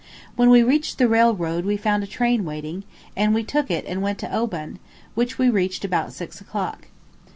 When we reached the railroad we found a train waiting, and we took it and went to Oban, which we reached about six o'clock.